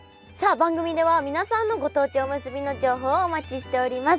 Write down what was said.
番組では皆さんのご当地おむすびの情報をお待ちしております！